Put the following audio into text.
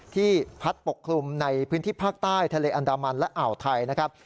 ที่พัดปกคลุมในพื้นที่ภาคใต้ทะเลอันดามันและอ่าวไทยนะครับ